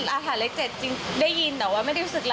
อาหารเลข๗จริงได้ยินแต่ว่าไม่ได้รู้สึกอะไร